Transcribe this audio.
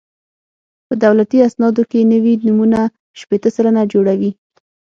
په دولتي اسنادو کې نوي نومونه شپېته سلنه جوړوي